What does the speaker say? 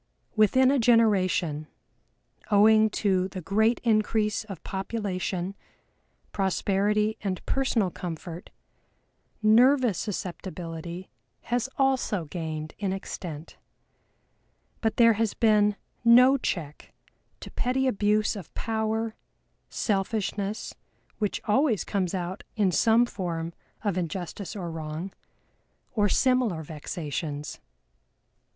Within a generation, owing to the great increase of population, prosperity and personal comfort, nervous susceptibility has also gained in extent, but there has been no check to petty abuse of power, selfishness, which always comes out in some form of injustice or wrong, or similar vexations.